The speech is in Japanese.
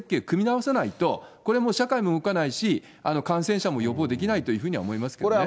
組み直さないと、これもう社会も動かないし、感染者も予防できないというふうには思いますけどね。